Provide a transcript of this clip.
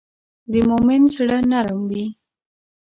د مؤمن زړه نرم وي.